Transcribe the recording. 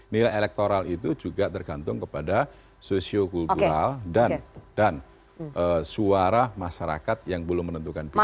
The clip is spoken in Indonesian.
nilai elektoral itu juga tergantung kepada sosio kultural dan suara masyarakat yang belum menentukan pilihan